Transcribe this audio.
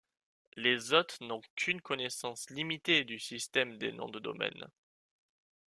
Les hôtes n'ont qu'une connaissance limitée du système des noms de domaine.